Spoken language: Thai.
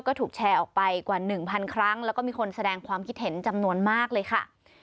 ก็ถูกแชร์ออกไปกว่าหนึ่งพันครั้งแล้วก็มีคนแสดงความคิดเห็นจำนวนมากเลยค่ะ